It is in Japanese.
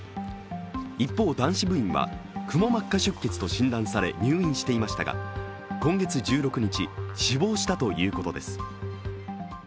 一方、男子部員はくも膜下出血と診断され入院していましたが、今月１６日、死亡したということです。